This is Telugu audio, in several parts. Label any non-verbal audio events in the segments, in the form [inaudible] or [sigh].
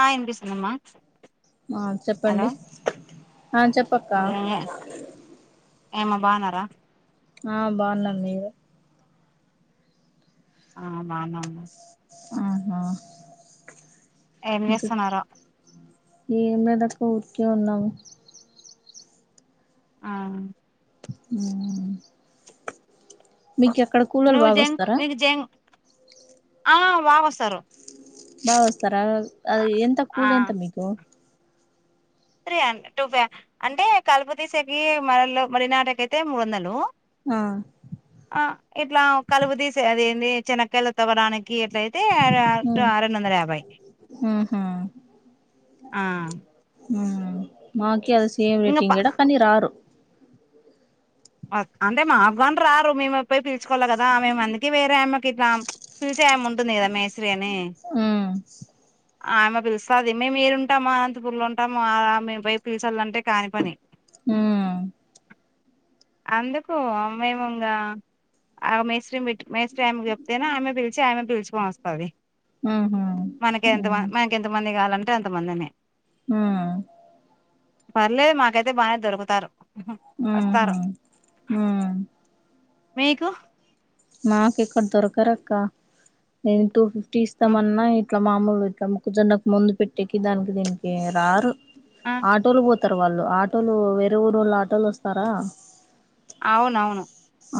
ఆ వినిపిస్తుందమ్మా ఆ చెప్పండి ఆ చెప్ ఏమ్మ బాగున్నారా ఆ బాగున్నాం మీరు ఆ బాగున్నాము ఆహా ఏం ఇంకా చేస్తున్నారో ఏ మీ లేదు ఊర్కే ఉన్నాము ఆ మీకి ఆక్కడ కూలోలు నువ్వు జంక్ బాగోస్తారా మీకు జంక్ ఆ బాగా వస్తారు బా వస్తారా అది ఎంత ఆ కూలి ఎంత మీకు రె అ టూ ఫైవ్ అంటే కల్పు తీసేకి మర వారి నాటకి అయితే మూడు వందలు ఆ ఆ ఇట్లా కలుపు తీసే అది ఏంటి చనాకాయలు తవడానికి ఎట్లయితే అ ఆ రెండు వందల యాభై ఆహా ఆ మాకి అది సేమ్ ఇంకా ప రేటింగ్ ఇడ కానీ రారు అంటే మా గని రారు మేము పోయి పిలుచుకోవాలి కదా మేము అందుకే వేరే అమేకి ఇక పిలిచే ఆమె ఉంటుంది కదా మేస్రి అని ఉమ్ ఆమె పిలుస్తాది మేము మీరుంటాము అనంతపూర్లో ఉంటాము మేము పోయి పిలిచాలంటే కాని పని హ అందుకు మేముంగ ఆ మేస్త్రిని పెట్టి మేస్త్రి ఆమె చెప్తేనే ఆమె పిలిచి ఆమె పిలిచుకొని వస్తది ఉహు మనకి ఎంత మ ఉమ్ మనకి ఎంత మంది కావాలంటే ఎంతమందిని ఉమ్ పర్లేదు మాకైతే బాగానే దొరుకుతారు ఉహు వస్తారు ఉ మీకు మాకు ఇక్కడ దొరకర్ అక్క నేను టూ ఫిఫ్టీ ఇస్తామన్నా ఇట్లా మామూలు ఇట్లా మొక్కజొన్నకు ముందు పెట్టేకి దానికి దీనికి రారు ఆ ఆటోలు పోయాక వస్తారు వాళ్ళు ఆటోలు వేరే ఊరు వాళ్ళ ఆటోలు వస్తారా అవునవును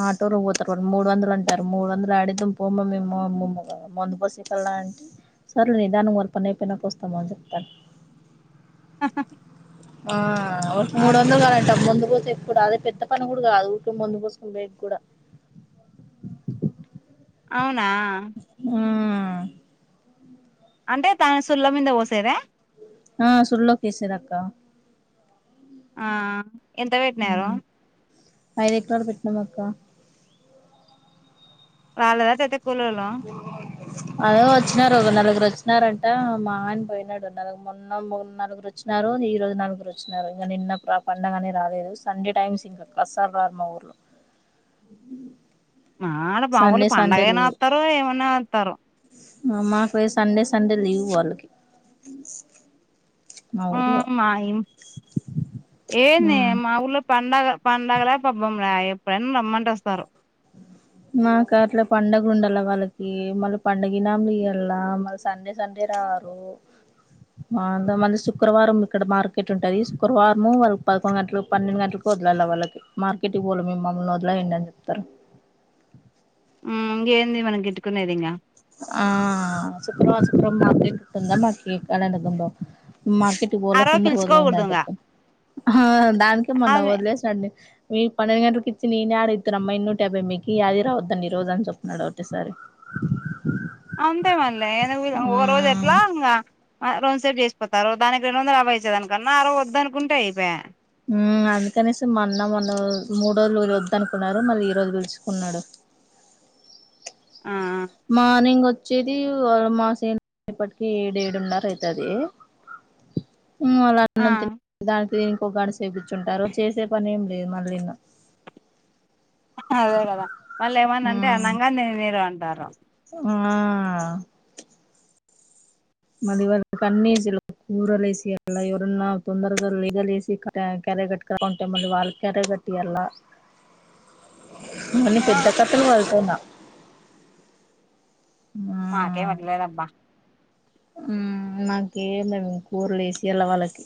ఆటోలోపోతారు వాడికి మూడు వందలు అంటారు మూడు వందలు యడిద్దాం పోమ్మ మేము మందు పోసకల్లా అంటే సరే నీ దాని వల్ల పనీ అయినక వస్తాను అని చెప్తాను ఆ మూడు అవు వందలు కాలండిబ్ ముందు పోచే ఇప్పుడు అదే పెద్ద పని కూడా కాదు ఊకే ముందు పోసుకుని పోయికి కూడా అవునా ఉమ్ అంటే దాని సుళ్ల మీద పోసేదా ఆ సుల్ కేసిరూ అక్కా ఆ ఎంత పెట్నారు ఐదు ఎకరాలు పెట్టినాం అక్క వాళ్ళదా సేతే కూలోలుటేస్ట్ అదే వచ్చినారు ఒక నలుగురు వచ్చినారంట మా ఆయన పోయినాడు నగు మొన్న నలుగురు చ్చినారు ఈ రోజు నలుగురు వచ్చినారు ఇంగ నిన్న పండగ అనే రాలేదు సండే టైమ్స్ అస్సల్ రారు మా ఊర్లో మాడ మా వొళ్ళు సండే పండుగ సండే అయిన లీవ్ వస్తారు ఏమైనా వస్తారు మాకు సండే సండే లీవ్ వాళ్ళకి మా ఆ ఊర్లో మాయి ఏంది మా ఊళ్లో పండగ పండగలే పబ్బంలే ఎప్పుడైనా రమ్మంటే వస్తారు మాకు అట్ల పండుగలు ఉండాల వాళ్ళకి మళ్ళీ పండుగ ఇనాములు ఇయ్యాల మళ్ళీ సండే సండే రారు ఓ అంత మంది శుక్రవారం ఇక్కడ మార్కెట్ ఉంటది శుక్రవారంము వాళ్ళకి పదకొండు గంటలకు పన్నెండు గంటలకు వదిలాల వాళ్ళకి మార్కెట్ కి పోలే మ మమ్మల్ని వదిలేయండి అని చెప్తారు గిదేంది మనం గిట్టుకునేది ఇంకా ఆ సుక్రమా సుక్ర మాత్ర కందా మాకి కడదు మార్కెట్కి ఆ పోల రోజు తొందర వదిలండ పిలుచుకోకూడదు ఇంగ దానికే మొన్న ఆమె వదిలేసాండి మీ పన్నెండు గంటలకి ఇచ్చింది ఈన్నే ఆడ్ అయితారు అమ్మా ఎన్నుంటే యాభై మీకి అదిరావద్దన్ని ఈరోజ అని చెప్తున్నాడు ఒకేసారి అంతే మల్లె ఎనిమిదవ ఒక రోజు మ్మ్ ఇలా ఇంగా రోజు సేపు చేసిపోతారు దానికి రెండు వందల యాభై వచ్చేదానీ కన్నా ఆరవై వద్దనుకుంటే అయిపోయా అందుకనేసి మల్ల మొన్న మూడు రోజులు వద్ద అనుకున్నారు మళ్ళీ ఈ రోజు పిలుచుకున్నాడు ఆ మార్నింగ్ వచ్చేది మాసేపటికి ఏడు ఏడున్నర అయితది మల్ల ఆ అన్నం తినీ దానికి ఇంకొ గంట సేపు కుచ్చుంటారు చేసే పని ఏం లేదు మళ్ళీను అదే కదా మల్ల ఏమనంటే అనంగా నేనే రా అంటారు ఆ మల్లి ఇవాళ నాకు అన్ని సెల్లు కూరలేసిల్ల ఇక ఎవరన్నా తొందరగా లెగలేసి కార్ కర్రె కట్ట కా కొంచెం మంది వాళ్ళ కరే పెట్టేయాల హో అన్ని ఆ పెద్ద పెద్ద చు వల్తేనా మాకేం అట్ల లేదు అబ్బా ఆ మాకేం లేవు కూరలు వేసి వెళ్ళ వాళ్ళకి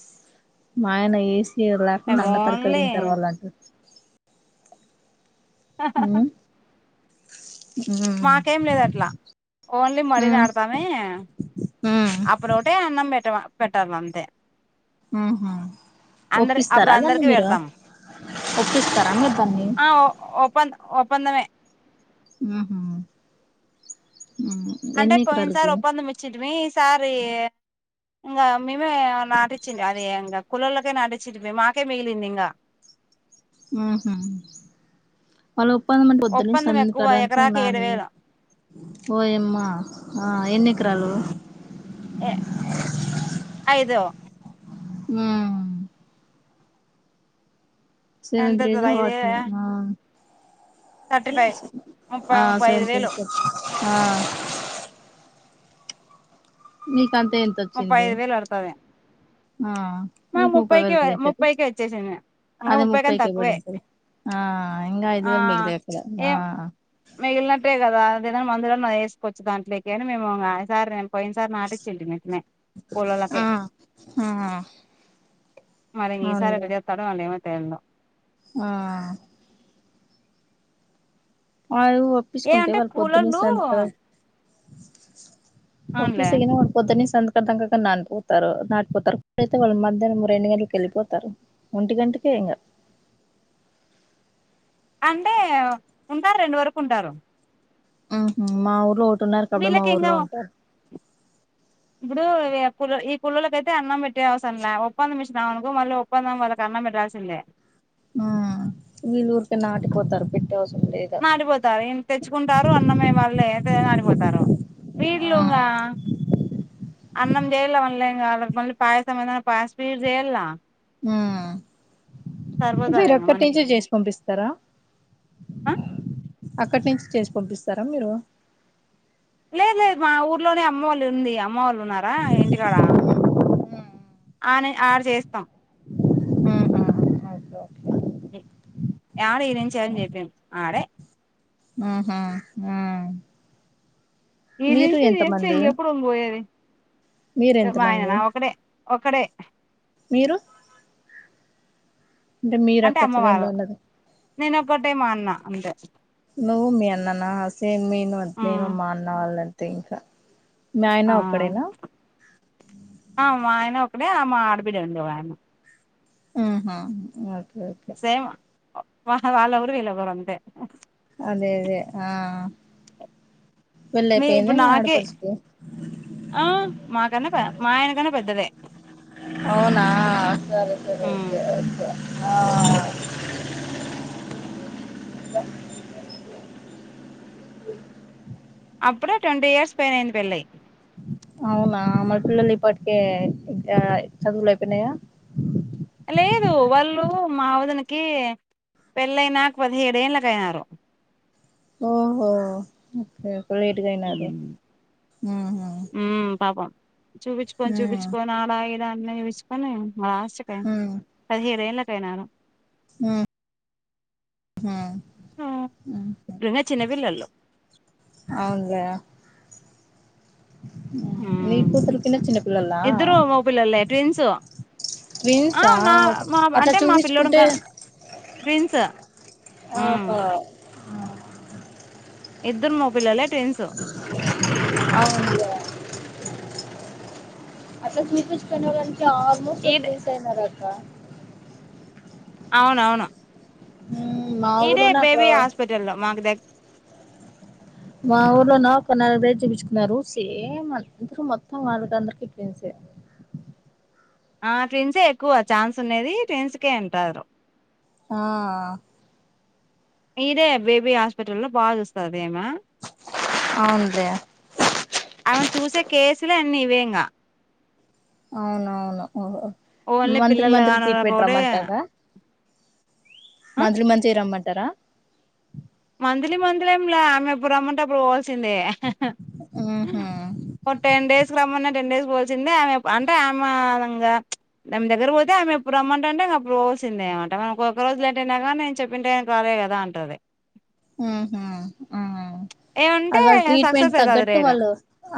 మా ఆయన ఏసి ఇ లేకుండా మేము అన్న తరకాలు ఓన్లీ తింటారు వాళ్ళు అని ఉ ఉ మాకేం లేదు అట్లా ఓన్లీ మరీ నాడతామే అప్పుడు ఓటే అన్నం పెట్టావా పెట్టాల అంతే ఉహ అందరి ఒప్పిస్తారా అప్పుడు దాన్నీ అందరికి మీరు పెడతాం ఒప్పిస్తారా మీరూ దాన్ని ఓపెన్ ఒప్పందమే ఉ ఉ అంటే పోయినసారి ఒప్పందం ఇచ్చేటిమీ ఈసారి ఇంకా మేమే నాటించండి అది ఇంకా కులల్లోకే నాటించండి మాకే మిగిలింది ఇంకా ఆహా వాళ్ళ ఒప్పంద మంటే పొద్దున్నుంచి ఒప్పందం ఎక్కువ సంత్రదాక ఎకరాకి ఏడు ఉండాలి వేలు ఓ యమ్మా ఆ ఎన్ని ఎకరాలు ఏ ఐదో ఉ సెవంతు రేజ్ ఎంతైతది ఐదు హోటల్ ఆ థర్టీ ఫైవ్ ముప్పై ఆ ముప్పై ఐదు వేలు [unintelligible] ఆ మికన్తే ముప్పై ఐదు వేలు ఆస్థాది ఆ మా నీకు ముప్పై ముప్పైకి వేలు పడింటది ముప్పైకి వచ్చేసింది ఇంకా అదే ముప్పై కన్న ముప్పైకే తక్కువే పడింటది ఆ ఇంకా అయిదు ఆ వేలు మిగిలాయి ఆ ఏం మిగిలినట్టే కదా దేదనా మందు వేసుకోవచ్చు కదా దాంట్లోకి అని మేము సారి నే పోయిన్సారీ నటించితిమి ఇట్లనే కూలళకే ఆ ఆ మరి ఈ సారీ అవునులే తరవాత అమైతదో అందో ఆ అ ఏ ఒప్పించుకుంటే అంటే వాళ్ళు కూలోళ్ళు పొద్దున్నసంత కదా అవునులే ఒప్పిస్తేగిన పొద్న్న సంతకడతాం నాటి పోతారు నాటిపోతారైతే వాళ్ళు మధ్యాహనం రెండు గంటలకి వెళ్ళిపోతరు ఒంటి గంటకే ఇంగ అంటే ఉంటారు రెండు వరకు ఉంటారు ఆహ మా ఊర్లో ఒకటి ఉన్నారు మా వీళ్ళకి ఇంగ ఊర్లో ఉంటారు ఇప్పుడు కు ఈ కుళ్ళలకైతే అన్నం పెట్టే అవసరం లే ఒప్పందం ఇచినం అనుకో మళ్ళీ పంధం వాళ్ళకు అన్నం పెట్టాల్సిందే ఆ వీళ్ళు ఊరికే నాటిపోతారు పెట్టే అవసరం లేదు మాడిపోతారు ఇంత తెచ్చుకుంటారు అన్నమే వాళ్ళ నాడిపోతారు వీళ్ళు గా అన్నం చేయాలా మళ్ళీంగా వాళ్ళకి మళ్ళీ పాయసం అన్న పాయసం ఐన చేయల ఉమ్ సరిపోతది ఇంగ మీరొక్కటి మనకి నుంచే చేసి పంపిస్తారా ఆ అక్కడి నుంచి చేసి పంపిస్తరా మీరు లేదు లేదు మా ఊర్లోనే అమ్మ వాళ్ళు ఉంది అమ్మ వాళ్ళు ఉన్నారా ఇంటికాడ ఆనే ఆడ చేస్తాం ఒక్కే యాడ ఇనుంచాల చెప్ప ఆడ ఆహ ఆ మీరు ఎనించి చెప్పు ఎంతమంది ఇంకా ఎప్పుడు పోయేది మా మీరెంతమంది ఆయన ఒకడే ఒకడే మీరు మీరు అంటే అక్క చెల్లెన్లు అమ్మవారు ఉన్నది నేను ఓక్కటే మా అన్న అంతే నువ్వు మీ అన్న నా సేమ్ మేము ఆ అంతే నేను మా అన్నా వాళ్ళు అంతే ఇంట్ల ఆ ఆ మా ఆయన ఒకడే ఆ మా ఆడపిడ అండి ఇంకొకమే ఉమ్ హా సేమ్ వా వాళ్ళఏవరు వీల్లోఏవరు అంతే అదే అదే ఆ పెళ్లయిపోయింద ఇప్పుడు మీ నాకే ఆడపడుచుకి ఆ మాకన్న మా ఆయనకన్న పెద్దదే అవునా సరే సరే ఒకే ఒకే ఆ [inaudible] అప్పుడే ట్వంటీ ఇయర్స్ పైనయింది పెళ్ళయి అవునా మరి పిల్లలు ఈపాటికే ఆ చదువులయిపోయినయా లేదు వాళ్ళు మా వదినికి పెళ్ళైనా పదిహేడు ఏళ్ళకి ఆయన్నారు. ఓహో ఓకే లేట్ గా అయినారు ఉహుహ్ ఉహ్మ్ పాపం చూపించుకొని చూపించుకొని అలా ఇలా అన్న చూపించుకొని ఆశ పోయింది. మ్మ్ పదిహేడు ఏళ్ళకి అయినారు. ఉహ్ మా ఇంకా ఉహుహ్ చిన్నపిల్లలు అవున్ గయా ఉహ్ నీ ఉమ్ కూతురు కీనా చిన్న పిల్లలా. ఇద్దరు మగ పిల్లలే ట్విన్సు ఆ ట్విన్సా మా మా అట్లా అంటే మా పిలోడు చూపించుకుంటే గా ట్విన్సు అహో ఇద్దరు మగ పిల్లలే ట్విన్స్ అవునులే అట్లా తీపించుకున్నావంటే ఆల్మోస్ట్ ఈడ ట్విన్స్ అయినారక్కా అవునవును మ్మ్ మా ఇడే ఊర్లోనే అక్కడ బేబీ హాస్పిటల్లో మాకు దగ్ మా ఊర్లో నా ఒక నలుగైద్ వెళ్ళి చూపించుకున్నారు సేమ్ అంతే మొత్తం వాళ్ళక్ అందరికి ట్విన్స్ఏ ఆ ట్విన్సే ఎక్కువ ఛాన్స్ ఉనేది ట్విన్స్కే అంటారు. హాఆఆ ఇడే బేబీ హాస్పిటల్లో బాగా జూస్తాది ఈమా అవునూలే ఆమె చూసే కేసులే అన్నీ ఇవే ఇగా అవునవును ఓహో ఓన్లీ మంత్లీ పిల్లలు మంత్లీ కానోళ్ళకి ట్రీట్మెంట్ ఒకటే రమ్మంటారా. ఆ మంత్లీ మంత్లీ రమ్మంటారా మంత్లీ మంత్లీ ఏంలే ఆమె ఎప్పుడు రమ్మంటే అప్పుడు పోవాల్సిందే ఉహుహ్ ఒక టెన్ డేస్కి రమన్నా టెన్ డేస్ పోవాల్సిందే ఆమె అంటే ఆమె ఇంగా ధం దగ్గర ఓతే ఆమె ఎప్పుడు రమ్మంటంటె ఇంగా అప్పుడు పోవాసిందే అనమాట మనం ఒక్క ఒక్క రోజుల లేట్ అయినా గానీ నేను చెప్పిన టాయాన్ రాలే గదా అంటది ఉహుహ్ అవునా ఏమంటే ఆగల్ ట్రీట్మెంట్ సక్సెస్ అయితది తగ్గట్టు రేర్ వాళ్ళు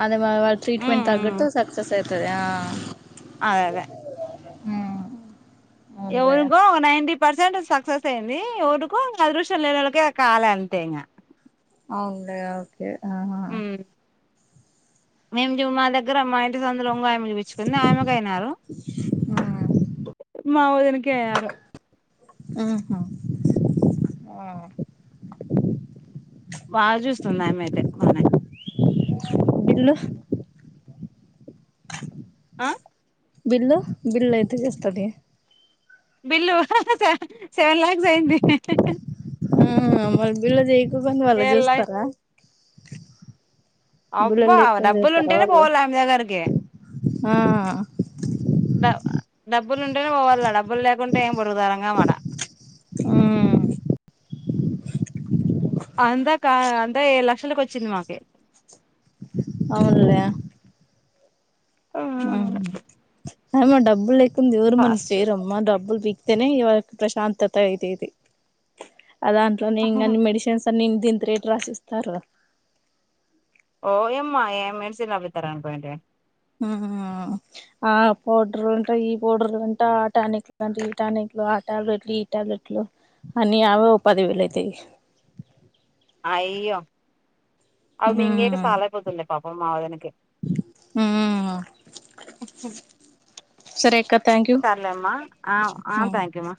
అదే వా వాళ్ళ ఉమ్ ట్రీట్మెంట్ ఉమ్ తగ్గిట్టు సక్సెస్ అయితది ఆ అది అదే ఉమ్ అవునులే ఎవరికో ఒక నైంటీ పర్సెంట్ సక్సెస్ అయింది. ఎవరికో ఇంగా అదృష్ట్యం లేనోళ్లకొ కాలే అంతే ఇంగా. అవుంలే ఓకే హా ఉహ్మ్ మీమ్ జుమ్ మా దగ్గర అమ్మాయన్ ఈ సంధులో ఇంగోమైన్ జూపిచ్చికుంది ఆమెకు అయినారు. మా ఒదినకి అయ్యారు. ఉహుహ్ ఓ బా జూస్తుంది ఆమే అయితే బానే ఇల్లు ఆ బిల్లు బిల్లు ఎంత జేస్తది. బిల్లు స సెవెన్ లాక్స్ అయ్యింది. ఆ మళ్ళ బిల్ల చెయ్యికొకుండా వాళ్లు ఏళ చూస్తారా. బిల్లులు అబ్బా లెక్కన డబ్బులు చేస్తారా ఉంటనే వాళ్ళు పోవాలె ఆమె దగ్గరికి. ఆ డ డబ్బులు ఉంటేనే పోవాల డబ్బులు లేకుంటే ఏం పొరుగుదారంగా ఆ మడ ఆ అంతాకా అంతా ఏడు లక్షలకు వచ్చింది మాకి. అవునులే. ఆహా అదేమో డబ్బుల్ లేకుంది ఎవరు మనకు ఫస్ట్ చేయరమ్మా డబ్బుల్ పి తేనే ఇవ్వాలకి ప్రశాంతత అయితేది ఆ దాంట్లోనే ఇంకాన్ని మెడిసెన్స్ అన్ని ఇంత ఇంత రేట్ రాసి ఇస్తారురా. ఓయమ్మాయే మెడిసిన్ రాపిత్తారని పోయింటివే. ఆహా ఆ పౌడర్ అంటా, ఈ పౌడర్లు అంటా, ఆ టానిక్లు అంట, ఈ టానిక్లు అంట ఆ ట్యాబ్లెట్లు ఈ ట్యాబ్లెట్లు అన్ని అవో పది వేలు అయితయి. అయ్యో అవి మింగేటివి ఉమ్ సాలకపోతుండే పాపం మా వదనకి. ఉమ్ సరే అక్క. థ్యాంక్ సర్లేమ్మా ఆ ఆ యూ థ్యాంక్యూ అమ్మా.